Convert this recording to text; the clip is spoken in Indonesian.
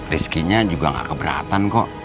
rizky nya juga gak keberatan kok